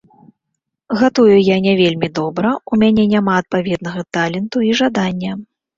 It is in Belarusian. Гатую я не вельмі добра, у мяне няма адпаведнага таленту і жадання.